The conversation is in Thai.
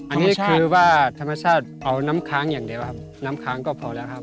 อันนี้คือว่าธรรมชาติเอาน้ำค้างอย่างเดียวครับน้ำค้างก็พอแล้วครับ